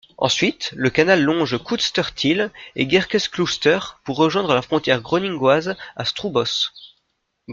Ensuite, le canal longe Kootstertille et Gerkesklooster, pour rejoindre la frontière groningoise à Stroobos.